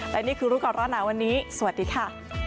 และนี่คือรูปกรณะวันนี้สวัสดีค่ะ